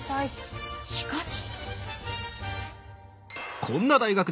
しかし。